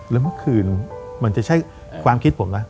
แล้วเมื่อคืนมันจะใช่ความคิดผมนะ